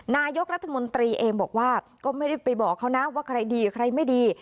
นายกรัฐมนตรีเองบอกว่าก็ไม่ได้ไปบอกเขานะว่าใครดีใครไม่ดี